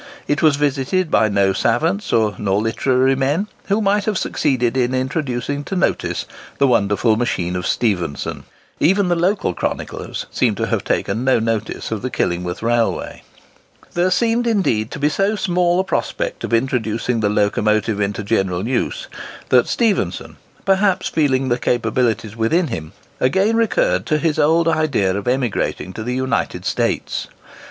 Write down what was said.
It was visited by no savans nor literary men, who might have succeeded in introducing to notice the wonderful machine of Stephenson. Even the local chroniclers seem to have taken no notice of the Killingworth Railway. There seemed, indeed, to be so small a prospect of introducing the locomotive into general use, that Stephenson,—perhaps feeling the capabilities within him,—again recurred to his old idea of emigrating to the United States.